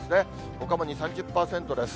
ほかも２、３０％です。